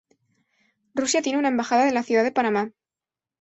Rusia tiene una embajada en la ciudad de Panamá.